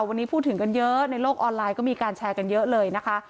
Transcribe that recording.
วันนี้พูดถึงกันเยอะในโลกออนไลน์ก็มีการแชร์กันเยอะเลยนะคะ